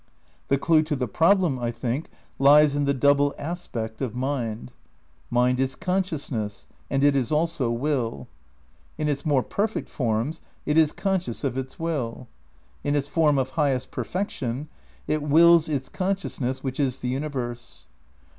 The clue to the problem, I think, lies in the double aspect of mind. Mind is consciousness, and it is also will. In its more perfect forms it is conscious of its will. In its form of highest perfection, it wills its con sciousness which is the universe.